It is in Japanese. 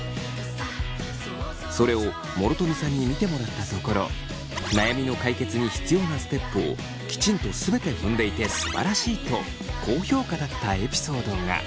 それを諸富さんに見てもらったところ悩みの解決に必要なステップをきちんと全て踏んでいてすばらしいと高評価だったエピソードが。